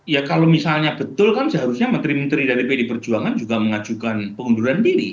ya kalau misalnya betul kan seharusnya menteri menteri dari pdi perjuangan juga mengajukan pengunduran diri